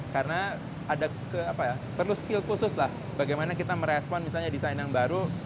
karena ada ke apa ya perlu skill khusus lah bagaimana kita merespon misalnya desain yang baru